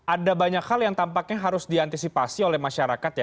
ada banyak hal yang tampaknya harus diantisipasi oleh masyarakat ya